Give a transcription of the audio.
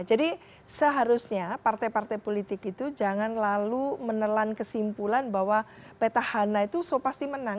jadi seharusnya partai partai politik itu jangan lalu menelan kesimpulan bahwa peta hana itu sopasti menang